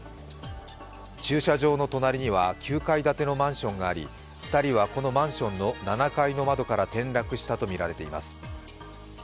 駐車場の隣には９階建てのマンションがあり２人はこのマンションの７階の窓から転落したとみられています。